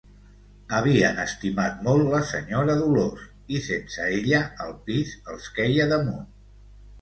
Havien estimat molt la senyora Dolors i, sense ella, el pis els queia damunt.